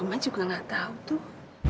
mama juga nggak tahu tuh